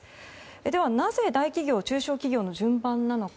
では、なぜ、大企業、中小企業の順番なのか。